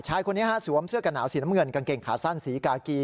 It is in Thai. ชายคนนี้สวมเสื้อกระหนาวสีน้ำเงินกางเกงขาสั้นสีกากี